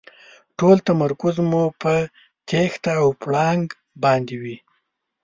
ټول تمرکز مو په تېښته او پړانګ باندې وي.